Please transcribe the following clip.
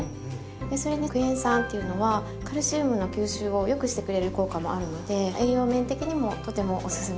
それにクエン酸っていうのはカルシウムの吸収をよくしてくれる効果もあるので栄養面的にもとてもおすすめ。